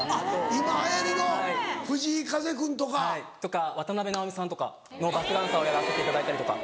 今流行りの藤井風君とか。渡辺直美さんとかのバックダンサーをやらせていただいたりとか。